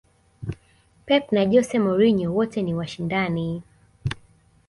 pep na jose mourinho wote ni washindani